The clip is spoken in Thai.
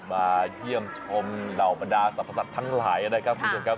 มาเยี่ยมชมเหล่าบรรดาสรรพสัตว์ทั้งหลายนะครับคุณผู้ชมครับ